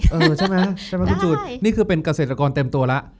เออใช่มั้ยนี่คือเป็นเกษตรกรเต็มตัวละ